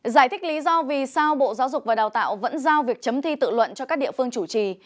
giải thích lý do vì sao bộ giáo dục và đào tạo vẫn giao việc chấm thi tự luận cho các địa phương chủ trì